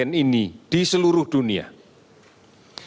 pemeriksaan ini juga membutuhkan reagen yang terbaik